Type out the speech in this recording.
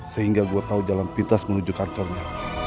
sehingga gue tahu jalan pintas menuju kantornya